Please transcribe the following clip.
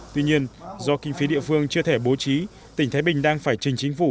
tuy nhiên do kinh phí địa phương chưa thể bố trí tỉnh thái bình đang phải trình chính phủ